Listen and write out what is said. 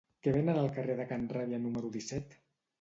Què venen al carrer de Can Ràbia número disset?